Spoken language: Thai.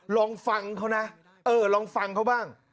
ลองฟังเขานะเออลองฟังเขาบ้าง